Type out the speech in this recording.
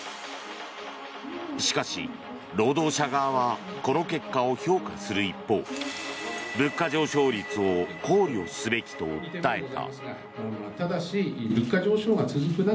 しかし、労働者側はこの結果を評価する一方物価上昇率を考慮すべきと訴えた。